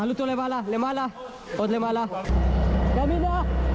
มันเป็นบัคเกียร์มันเป็นบัคเกียร์